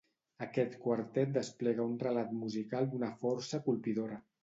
Aquest quartet desplega un relat musical d'una força colpidora.